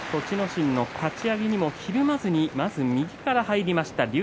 心のかち上げにもひるまずにまず右から入りました竜